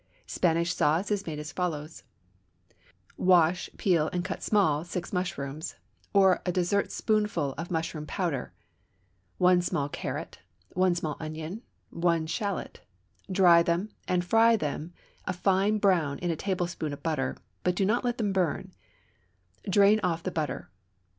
Spanish sauce is made as follows: Wash, peel, and cut small six mushrooms (or a dessertspoonful of mushroom powder), one small carrot, one small onion, and one shallot; dry them, and fry them a fine brown in a tablespoonful of butter, but do not let them burn; drain off the butter.